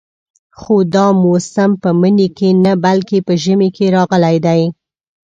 خو دا موسم په مني کې نه بلکې په ژمي کې راغلی دی.